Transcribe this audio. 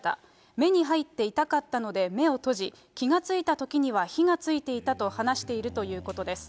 目に入って痛かったので目を閉じ、気が付いたときには火がついていたと話しているということです。